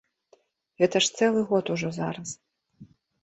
Гэта ж цэлы год ужо зараз.